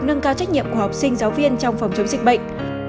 nâng cao trách nhiệm của học sinh giáo viên trong phòng chống dịch bệnh